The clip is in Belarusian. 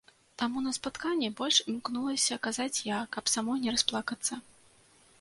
Таму на спатканні больш імкнулася казаць я, каб самой не расплакацца.